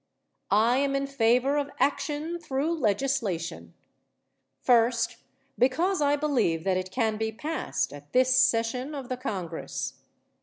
I am in favor of action through legislation: First, because I believe that it can be passed at this session of the Congress.